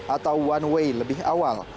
atau one way lebih awal